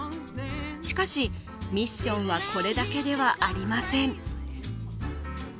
しかし、ミッションはこれだけではありません。